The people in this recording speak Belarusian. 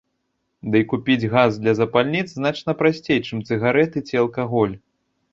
Дый купіць газ для запальніц значна прасцей, чым цыгарэты ці алкаголь.